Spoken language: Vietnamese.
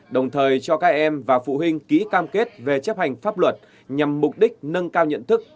đồng thời cho các em và phụ huynh ký cam kết về chấp hành pháp luật nhằm mục đích nâng cao nhận thức